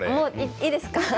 いいですか？